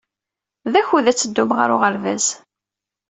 D akud ad teddum ɣer uɣerbaz.